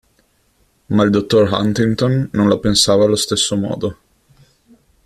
Ma il Dottor Huntington non la pensava allo stesso modo.